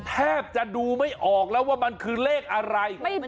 แทบจะดูไม่ออกแล้วว่ามันคือเลขอะไร